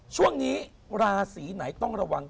ช่วงนี้ราศีไหนต้องระวัง